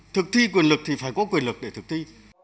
thực thi quyền lực thì phải có quyền lực để thực thi